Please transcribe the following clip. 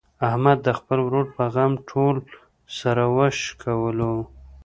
احمد د خپل ورور په غم ټول سر و شکولو.